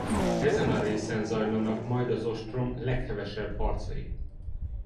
Ezen a részen zajlanak majd az ostrom leghevesebb harcai.